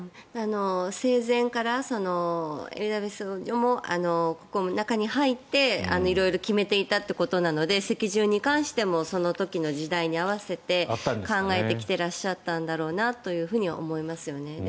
生前からエリザベス女王もここの中に入って色々決めていたということなので席順に関してもその時の時代に合わせて考えてきていらっしゃったんだろうなとは思いますよね。